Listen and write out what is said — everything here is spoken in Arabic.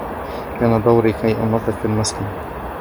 كان دوري كي أنظف المسكن